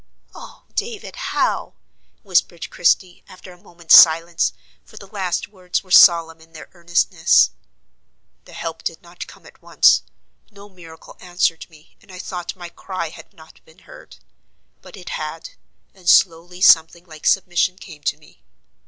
"Oh, David, how?" whispered Christie after a moment's silence, for the last words were solemn in their earnestness. "The help did not come at once. No miracle answered me, and I thought my cry had not been heard. But it had, and slowly something like submission came to me.